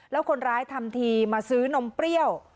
แล้วคนร้ายทำทีมาซื้อนมเปรี้ยว